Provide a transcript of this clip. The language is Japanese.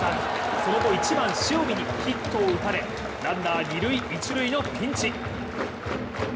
その後、１番・塩見にヒットを打たれランナー、二・一塁のピンチ。